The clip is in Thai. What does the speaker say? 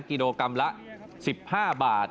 กิโลกรัมละ๑๕บาท